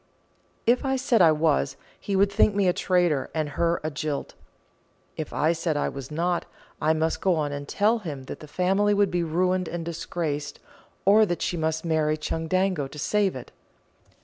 If I said I was, he would think me a traitor and her a jilt; if I said I was not, I must go on and tell him that the family would be ruined and disgraced, or that she must marry Chundango to save it.